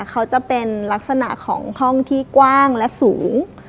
เขาจะเป็นลักษณะของห้องที่กว้างและสูง